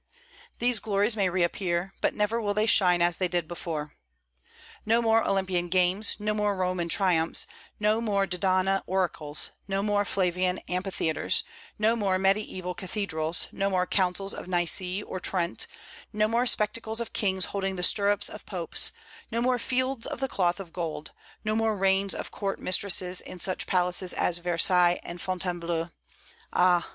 These glories may reappear, but never will they shine as they did before. No more Olympian games, no more Roman triumphs, no more Dodona oracles, no more Flavian amphitheatres, no more Mediaeval cathedrals, no more councils of Nice or Trent, no more spectacles of kings holding the stirrups of popes, no more Fields of the Cloth of Gold, no more reigns of court mistresses in such palaces as Versailles and Fontainbleau, ah!